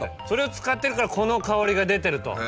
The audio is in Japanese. それを使ってるからこの香りが出てると。